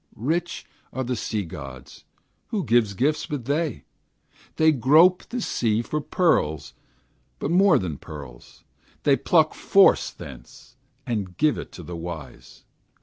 Rich are the sea gods: who gives gifts but they? They grope the sea for pearls, but more than pearls: They pluck Force thence, and give it to the wise.